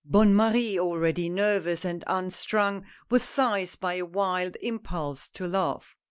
Bonne Marie, already nervous and unstrung, was seized with a wild impulse to laugh.